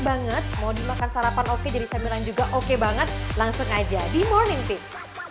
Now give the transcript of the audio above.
banget mau dimakan sarapan oke jadi camilan juga oke banget langsung aja di morning tips